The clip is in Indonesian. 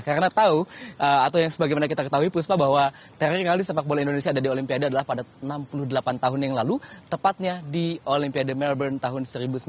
karena tahu atau yang sebagaimana kita ketahui puspa bahwa teringali sepak bola indonesia ada di olimpiade adalah pada enam puluh delapan tahun yang lalu tepatnya di olimpiade melbourne tahun seribu sembilan ratus lima puluh enam